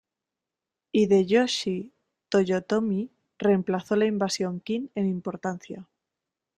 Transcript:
Hideyoshi Toyotomi reemplazó la invasión Qing en importancia.